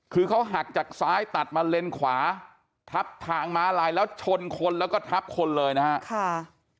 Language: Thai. คือเขาหักจากซ้ายตัดมาเลนขวาทับทางม้าลายแล้วชนคนแล้วก็ทับคนเลยนะครับ